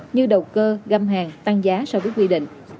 như đầu cơ găm hàng tăng giá so với quy định